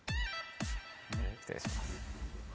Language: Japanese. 失礼します。